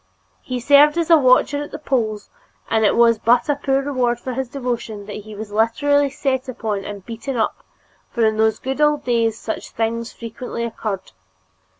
He served as a watcher at the polls and it was but a poor reward for his devotion that he was literally set upon and beaten up, for in those good old days such things frequently occurred.